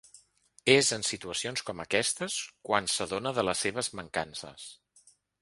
És en situacions com aquestes quan s'adona de les seves mancances.